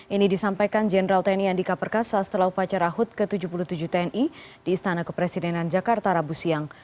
ini disampaikan jenderal tni andika perkasa setelah upacara hud ke tujuh puluh tujuh tni di istana kepresidenan jakarta rabu siang